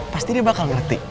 pasti dia bakal ngerti